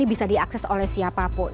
bisa diakses oleh siapapun